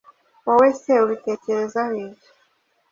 Wowe se ubitekerezaho iki?